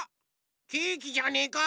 ケーキじゃねえか？